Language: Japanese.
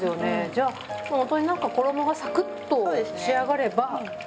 じゃあもう本当になんか衣がサクッと仕上がれば。